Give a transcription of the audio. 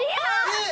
えっ！